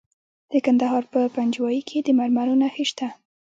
د کندهار په پنجوايي کې د مرمرو نښې شته.